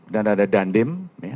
dan ada dandim